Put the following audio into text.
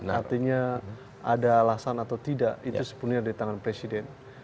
artinya ada alasan atau tidak itu sepenuhnya di tangan presiden